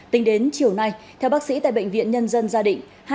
tính đến chiều nay theo bác sĩ tại bệnh viện nhân dân gia đình